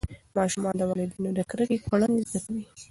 ماشومان د والدینو د کرکې کړنې زده کوي.